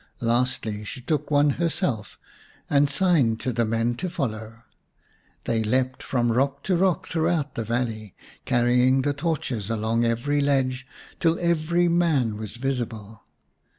Lastly she took one herself, and signed to the men to follow. They leapt from rock to rock throughout the valley, carry ing the torches along every ledge, till every man was visible.